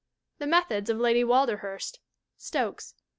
The Methods of Lady Walderhurst. Stokes.